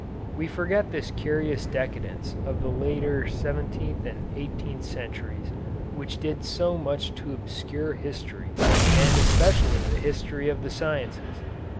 We forget this curious decadence of the later seventeenth and eighteenth centuries which did so much to obscure history and especially the history of the sciences.